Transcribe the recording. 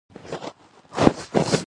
د کیسې فزیکي چاپیریال اندلس او مصر دی.